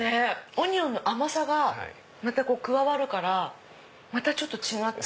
オニオンの甘さが加わるからまたちょっと違った。